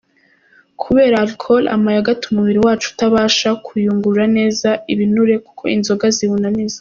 Kubera alcool, amayoga atuma umubiri wacu utabasha kuyungurura neza ibinure, kuko inzoga ziwunaniza.